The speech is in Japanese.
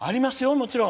もちろん！